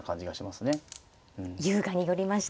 優雅に寄りました。